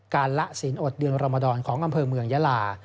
ละศีลอดเดือนรมดรของอำเภอเมืองยาลา